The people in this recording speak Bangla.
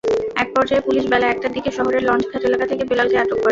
একপর্যায়ে পুলিশ বেলা একটার দিকে শহরের লঞ্চঘাট এলাকা থেকে বেলালকে আটক করে।